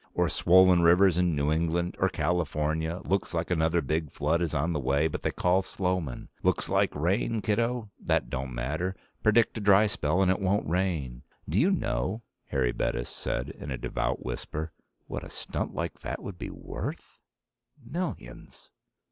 Or swollen rivers in New England, or California. Looks like another big flood is on the way, but they call Sloman. Looks like rain, kiddo? That don't matter. Predict a dry spell and it won't rain. Do you know," Harry Bettis said in a devout whisper, "what a stunt like that would be worth? Millions."